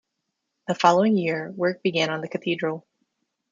The following year, work began on the cathedral.